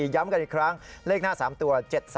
ย้ำกันอีกครั้งเลขหน้า๓ตัว๗๓